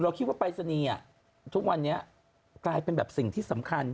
คิดว่าปรายศนีย์ทุกวันนี้กลายเป็นแบบสิ่งที่สำคัญ